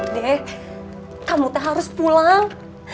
deh kamu tak harus pulang